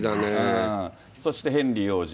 そしてヘンリー王子。